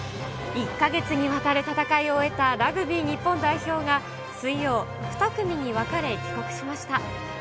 １か月にわたる戦いを終えたラグビー日本代表が、水曜、２組に分かれ帰国しました。